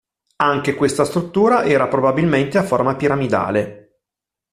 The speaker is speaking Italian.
Anche questa struttura era probabilmente a forma piramidale.